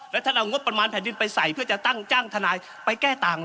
แล้วท่านเอางบประมาณแผ่นดินไปใส่เพื่อจะตั้งจ้างทนายไปแก้ต่าง